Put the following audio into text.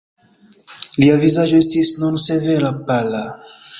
Lia vizaĝo estis nun severa, pala.